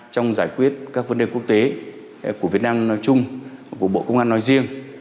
trong giải quyết các vấn đề quốc tế của việt nam nói chung của bộ công an nói riêng